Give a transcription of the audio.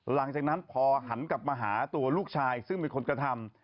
หลังจากนั้นพอหันกลับมาหาตัวลูกชายซึ่งเป็นคนกระทำ